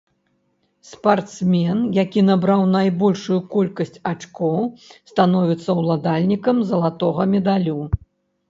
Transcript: Спартсмен, які набраў найбольшую колькасць ачкоў, становіцца ўладальнікам залатога медалю.